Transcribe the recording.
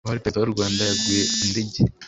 uwari Perezida w'u Rwanda yaguye undege